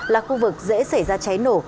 là khu vực dễ xảy ra cháy nổ